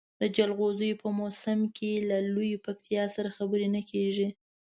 د جلغوزیو په موسم کې له لویې پکتیا سره خبرې نه کېږي.